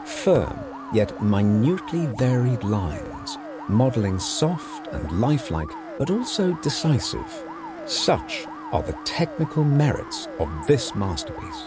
Firm yet minutely varied lines, modeling soft and lifelike but also decisive, such are the technical merits of this masterpiece.